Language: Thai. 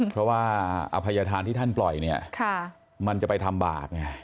เพราะว่าอภัยธานที่ท่านปล่อยเนี่ยมันจะไปทำบาปไง